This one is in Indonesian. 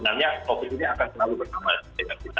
nah energinya itu adalah energi empat